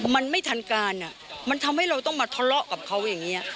มันไม่ทันการมันทำให้เราต้องมาทะเลาะกับเขาอย่างนี้